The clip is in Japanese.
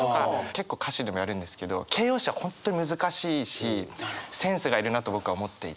結構歌詞でもやるんですけど形容詞は本当に難しいしセンスがいるなと僕は思っていて。